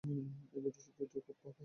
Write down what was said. এদের দৃষ্টিশক্তি খুব প্রখর।